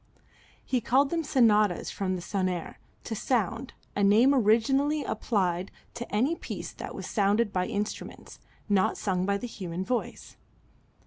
He called them sonatas from sonare, to sound, a name originally applied to any piece that was sounded by instruments, not sung by the human voice.